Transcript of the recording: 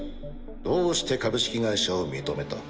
どうして株式会社を認めた？